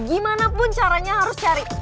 gimanapun caranya harus cari